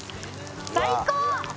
最高！